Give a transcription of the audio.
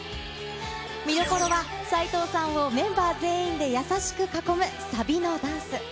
見どころは、齋藤さんをメンバー全員で優しく囲むサビのダンス。